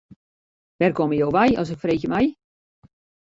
Wêr komme jo wei as ik freegje mei.